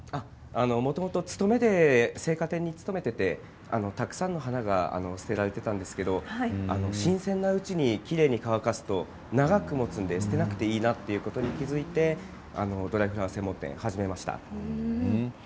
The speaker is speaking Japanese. もともと生花店に勤めていて、たくさんの花が捨てられていたんですけれど新鮮なうちにきれいに乾かすと長くもつので捨てなくていいなということに気付いてドライフラワー専門店を始めました。